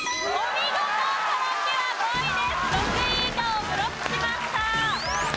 ６位以下をブロックしました。